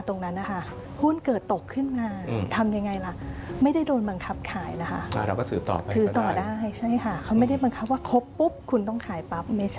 ตอน๑๕๐๐บาทแพงไหมครับ